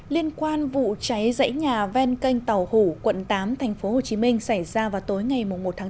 liên quan vụ cháy rãi nhà ven kênh tàu hủ quận tám tp hcm xảy ra vào tối ngày một bốn